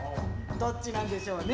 どっちなんでしょうね。